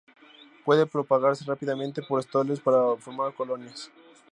Puede propagarse rápidamente por estolones para formar colonias.